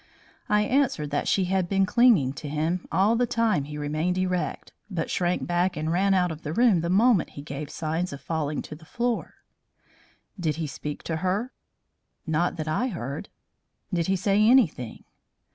I answered that she had been clinging to him all the time he remained erect, but shrank back and ran out of the room the moment he gave signs of falling to the floor. "Did he speak to her?" "Not that I heard." "Did he say anything?"